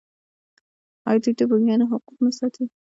آیا دوی د بومیانو حقوق نه ساتي؟